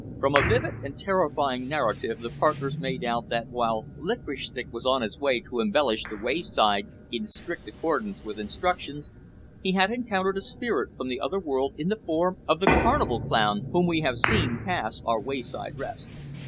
From a vivid and terrifying narrative the partners made out that while Licorice Stick was on his way to embellish the wayside in strict accordance with instructions, he had encountered a spirit from the other world in the form of the carnival clown whom we have seen pass our wayside rest.